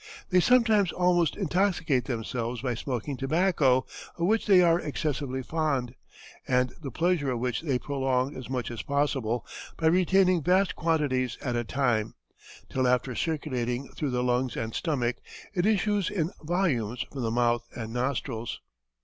They sometimes almost intoxicate themselves by smoking tobacco, of which they are excessively fond, and the pleasure of which they prolong as much as possible by retaining vast quantities at a time, till after circulating through the lungs and stomach, it issues in volumes from the mouth and nostrils."